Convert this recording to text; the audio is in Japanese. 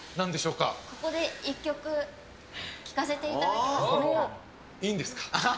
ここで１曲聴かせていただけませんか。